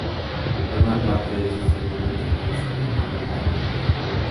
Forma parte del sistema montañoso de Peneda-Gerês.